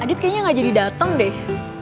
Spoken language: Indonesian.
adit kayaknya gak jadi datang deh